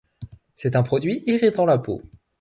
C'est un produit irritant la peau.